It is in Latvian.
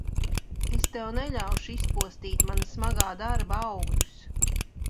Es tev neļaušu izpostīt mana smagā darba augļus!